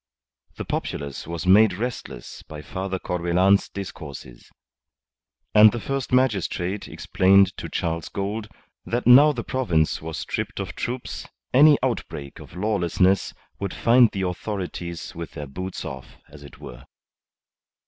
The populace was made restless by Father Corbelan's discourses. And the first magistrate explained to Charles Gould that now the province was stripped of troops any outbreak of lawlessness would find the authorities with their boots off, as it were.